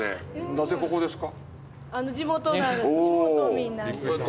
なぜ、ここですか。